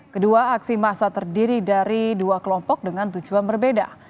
kedua aksi massa terdiri dari dua kelompok dengan tujuan berbeda